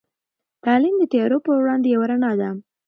تعلیم د تيارو په وړاندې یوه رڼا ده.